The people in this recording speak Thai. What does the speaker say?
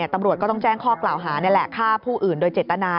ตำรวจก็ต้องแจ้งข้อกล่าวหานี่แหละฆ่าผู้อื่นโดยเจตนา